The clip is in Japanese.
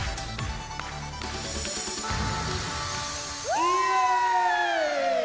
イエーイ！